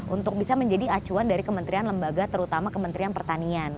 untuk bisa menjadi acuan dari kementerian lembaga terutama kementerian pertanian